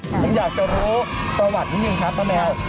ผมอยากจะรู้ประวัตินิดนึงครับป้าแมว